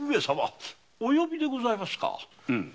お呼びでございますか？